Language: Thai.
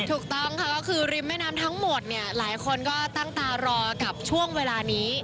ถูกต้องค่ะก็คือริมแม่น้ำทั้งหมดเนี่ยหลายคนก็ตั้งตารอกับช่วงเวลานี้